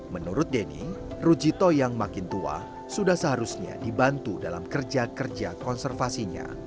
menurut denny rujito yang makin tua sudah seharusnya dibantu dalam kerja kerja konservasinya